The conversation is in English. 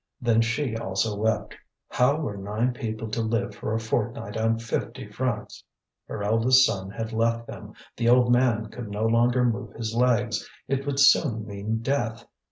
Then she also wept. How were nine people to live for a fortnight on fifty francs? Her eldest son had left them, the old man could no longer move his legs: it would soon mean death.